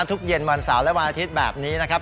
เย็นวันเสาร์และวันอาทิตย์แบบนี้นะครับ